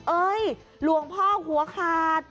เอ๊ะหลวงพ่อหัวขาด